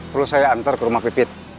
terus saya antar ke rumah pipit